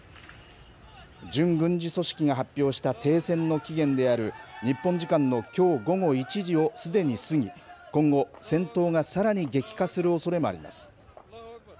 準軍事組織が発表した停戦の期限である、日本時間のきょう午後１時をすでに過ぎ、今後、戦闘がさらに激化するおそれもあります。